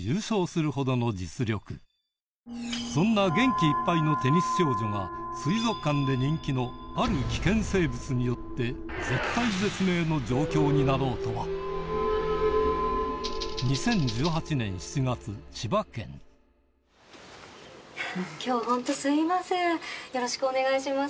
痩せた上司の一言にキレ幾つもの水族館で人気のある危険生物によって絶体絶命の状況になろうとは今日本当すいませんよろしくお願いします。